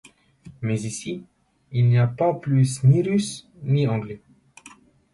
Mais ici, il n’y a pas plus ni Russes, ni Anglais !